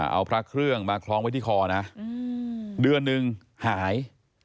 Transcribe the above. เอาพระเครื่องมาคล้องไว้ที่คอนะเดือนหนึ่งหาย